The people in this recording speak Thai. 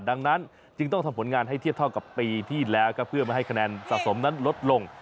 ดังนั้นจึงต้องทำผลงานให้เทียบเท่ากับปีที่แล้วก็เพื่อไม่ให้คะแนนสะสมนั้นลดลง